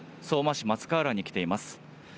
相馬市松川浦に来ています。